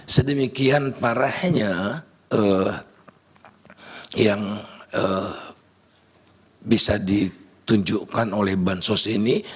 sedemikian parahnya yang bisa ditunjukkan oleh bansos ini